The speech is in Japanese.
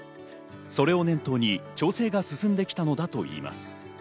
それを念頭に調整が続いてきたのだといいます。